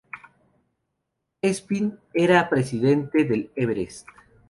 Espín era Presidente del Everest.